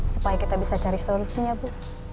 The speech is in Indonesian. supaya kita bisa cari solusinya bu